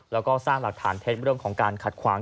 แล้วก็สร้างหลักฐานเท็จเรื่องของการขัดขวาง